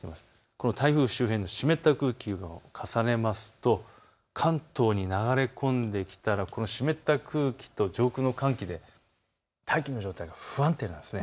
この台風周辺の湿った空気を重ねると関東に流れ込んできたらこの湿った空気と上空の寒気で大気の状態が不安定なんです。